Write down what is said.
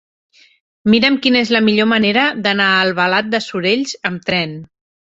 Mira'm quina és la millor manera d'anar a Albalat dels Sorells amb tren.